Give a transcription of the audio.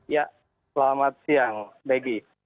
ya selamat siang megi